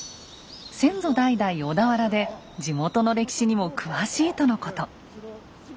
先祖代々小田原で地元の歴史にも詳しいとのこと。